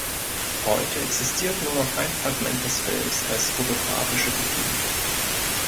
Heute existiert nur noch ein Fragment des Films als photographische Kopien.